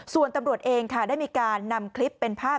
ส่วนตำรวจเองค่ะได้มีการนำคลิปเป็นภาพ